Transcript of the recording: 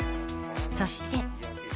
そして。